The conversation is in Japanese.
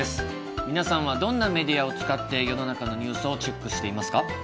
皆さんはどんなメディアを使って世の中のニュースをチェックしていますか？